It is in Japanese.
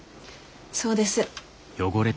そうです。